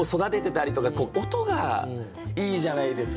音がいいじゃないですか。